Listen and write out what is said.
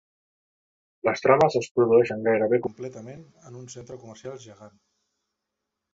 Les trames es produeixen gairebé completament en un centre comercial gegant.